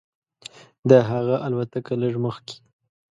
د هغه الوتکه لږ مخکې.